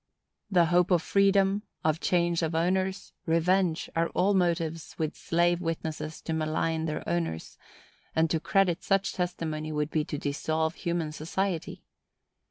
The hope of freedom, of change of owners, revenge, are all motives with slave witnesses to malign their owners; and to credit such testimony would be to dissolve human society.